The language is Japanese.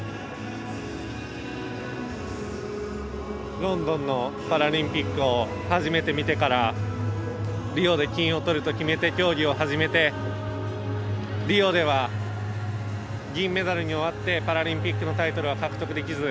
ロンドンのパラリンピックを初めて見てからリオで金を取ると決めて競技を始めてリオでは銀メダルに終わってパラリンピックのタイトルは獲得できず。